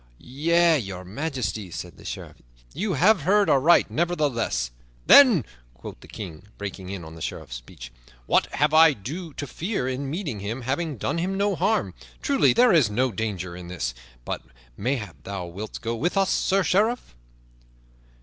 "Yea, Your Majesty," said the Sheriff, "you have heard aright. Nevertheless " "Then," quoth the King, breaking in on the Sheriffs speech, "what have I to fear in meeting him, having done him no harm? Truly, there is no danger in this. But mayhap thou wilt go with us, Sir Sheriff."